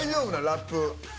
ラップ。